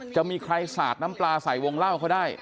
จะมีใครสาดน้ำปลาใส่วงเล่าเขาได้